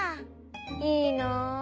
いいな。